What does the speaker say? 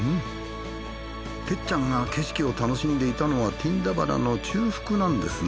哲ちゃんが景色を楽しんでいたのはティンダバナの中腹なんですね。